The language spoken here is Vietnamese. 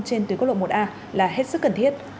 trên tuyến quốc lộ một a là hết sức cần thiết